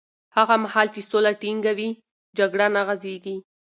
هغه مهال چې سوله ټینګه وي، جګړه نه غځېږي.